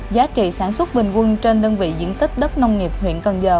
giá trị sản xuất bình quân trên đơn vị diện tích đất nông nghiệp huyện cần giờ